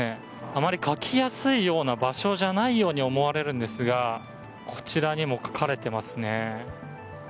あまり書きやすいような場所じゃないように思われるんですがこちらにも書かれていますね。